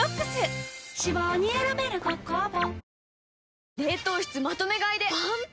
脂肪に選べる「コッコアポ」